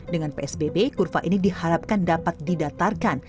dengan psbb kurva ini diharapkan dapat didatarkan